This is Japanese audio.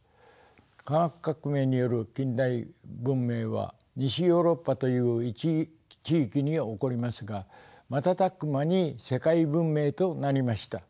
科学革命による近代文明は西ヨーロッパという一地域に起こりますが瞬く間に世界文明となりました。